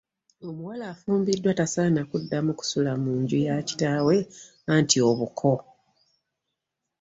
Omuwala afumbiddwa tasaana kuddamu kusula mu nju ya kitaawe anti obuko!